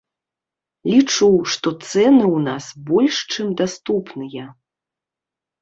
Лічу, што цэны ў нас больш чым даступныя.